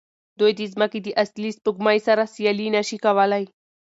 دوی د ځمکې د اصلي سپوږمۍ سره سیالي نه شي کولی.